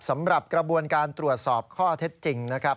สำหรับกระบวนการตรวจสอบข้อเท็จจริงนะครับ